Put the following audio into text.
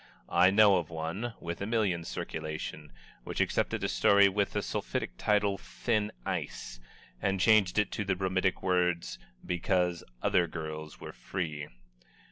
I know of one, with a million circulation, which accepted a story with the sulphitic title, "Thin Ice," and changed it to the bromidic words, "Because Other Girls were Free."